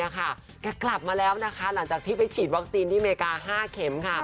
แกกลับมาแล้วนะคะหลังจากที่ไปฉีดวัคซีนที่อเมริกา๕เข็มค่ะ